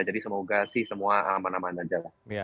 jadi semoga semua aman aman saja